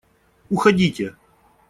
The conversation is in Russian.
Уходите!..